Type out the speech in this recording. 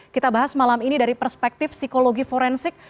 kita bahas malam ini dari perspektif psikologi forensik